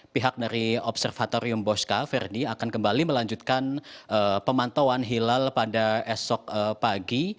pihak dari observatorium bosca verdi akan kembali melanjutkan pemantauan hilal pada esok pagi